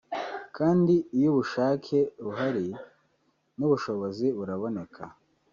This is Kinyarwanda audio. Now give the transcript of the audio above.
kandi iyo ubushake buhari n’ubushobozi buraboneka